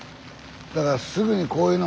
だからすぐにこういうのの。